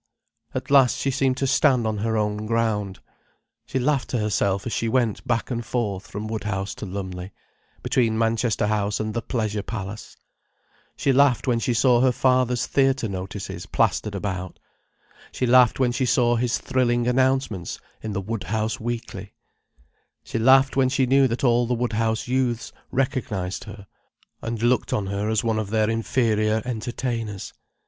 At last she seemed to stand on her own ground. She laughed to herself as she went back and forth from Woodhouse to Lumley, between Manchester House and the Pleasure Palace. She laughed when she saw her father's theatre notices plastered about. She laughed when she saw his thrilling announcements in the Woodhouse Weekly. She laughed when she knew that all the Woodhouse youths recognized her, and looked on her as one of their inferior entertainers.